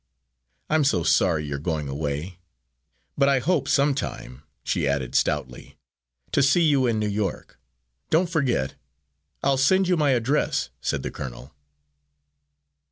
I'm so sorry you're going away; but I hope, sometime," she added stoutly, "to see you in New York! Don't forget!" "I'll send you my address," said the colonel.